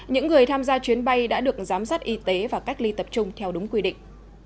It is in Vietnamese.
những người tham gia chuyến bay đã được giám sát y tế và cách ly tập trung theo đúng quy định